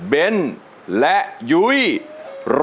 เบ้นและยุ้ย